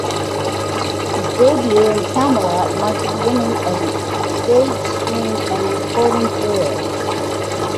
His debut in "Camelot" marked the beginning of an stage, screen, and recording career.